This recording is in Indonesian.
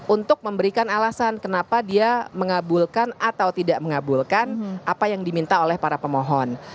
untuk memberikan alasan kenapa dia mengabulkan atau tidak mengabulkan apa yang diminta oleh para pemohon